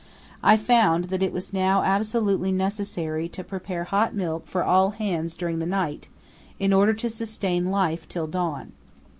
I found that it was now absolutely necessary to prepare hot milk for all hands during the night, in order to sustain life till dawn.